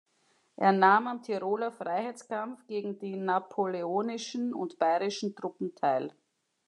Er nahm am Tiroler Freiheitskampf gegen die napoleonischen und bayrischen Truppen teil.